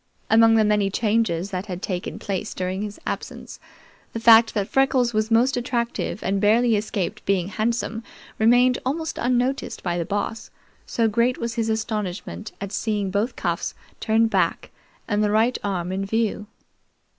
Among the many changes that had taken place during his absence, the fact that Freckles was most attractive and barely escaped being handsome remained almost unnoticed by the Boss, so great was his astonishment at seeing both cuffs turned back and the right arm in view.